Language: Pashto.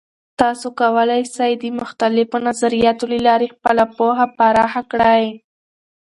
تاسې کولای سئ د مختلفو نظریاتو له لارې خپله پوهه پراخه کړئ.